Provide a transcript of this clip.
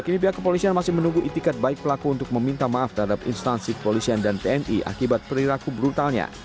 tidak ada yang menunggu itikat baik pelaku untuk meminta maaf terhadap instansi polisian dan tni akibat periraku brutalnya